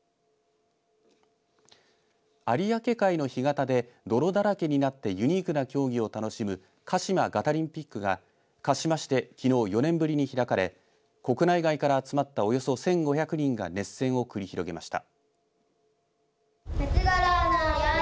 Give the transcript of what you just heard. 有明海の干潟で泥だらけになってユニークな競技を楽しむ鹿島ガタリンピックが鹿島市できのう４年ぶりに開かれ国内外から集まったおよそ１５００人が熱戦を繰り広げました。